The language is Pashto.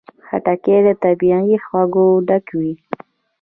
خټکی له طبیعي خوږو ډک وي.